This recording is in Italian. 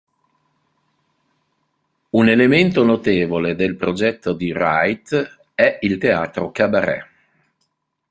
Un elemento notevole del progetto di Wright è il teatro cabaret.